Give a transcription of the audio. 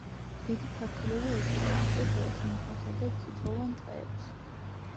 დიდი ფართობები უჭირავს წიფელს, მუხასა და წიწვოვან ტყეებს.